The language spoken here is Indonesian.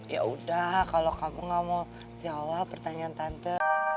ya udah kalau kamu gak mau jawab pertanyaan tante